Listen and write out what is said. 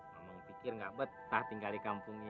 mama pikir gak betah tinggal di kampung ini